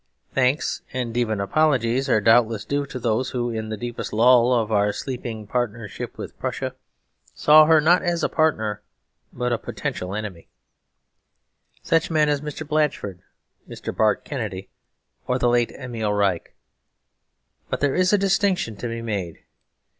Thanks and even apologies are doubtless due to those who in the deepest lull of our sleeping partnership with Prussia saw her not as a partner but a potential enemy; such men as Mr. Blatchford, Mr. Bart Kennedy, or the late Emil Reich. But there is a distinction to be made.